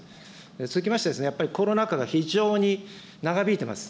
続きまして、やっぱりコロナ禍が非常に長引いてます。